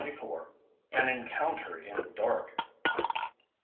AN ENCOUNTER IN THE DARK.